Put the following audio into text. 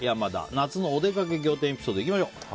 夏のおでかけ仰天エピソードいきましょう。